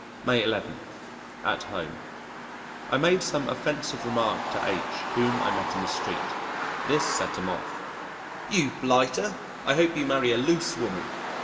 May 11. At Home I made some offensive remark to H whom I met in the street. This set him off. "You blighter, I hope you marry a loose woman.